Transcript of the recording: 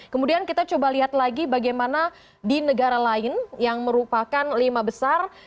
kemudian kita coba lihat lagi bagaimana di negara lain yang merupakan lima besar